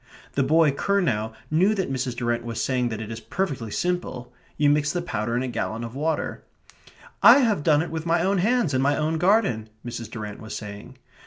The boy Curnow knew that Mrs. Durrant was saying that it is perfectly simple; you mix the powder in a gallon of water; "I have done it with my own hands in my own garden," Mrs. Durrant was saying.